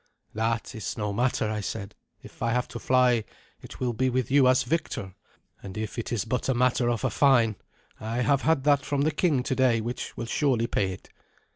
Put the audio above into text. "That is no matter," I said. "If I have to fly, it will be with you as victor; and if it is but a matter of a fine, I have had that from the king today which will surely pay it."